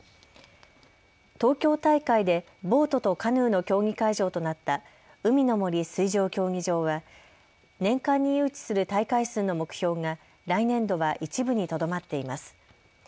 東京大会で、ボートとカヌーの競技会場となった海の森水上競技場は年間に誘致する大会数の目標が来年度は一部にとどまっています。